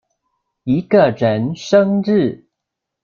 一個人生日